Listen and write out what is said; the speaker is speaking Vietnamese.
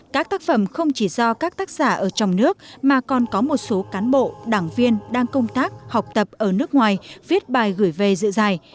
các tác phẩm không chỉ do các tác giả ở trong nước mà còn có một số cán bộ đảng viên đang công tác học tập ở nước ngoài viết bài gửi về dự giải